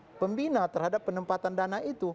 dari dewan pimpinan terhadap penempatan dana itu